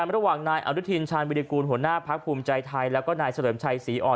ระหว่างนายอนุทินชาญวิรากูลหัวหน้าพักภูมิใจไทยแล้วก็นายเฉลิมชัยศรีอ่อน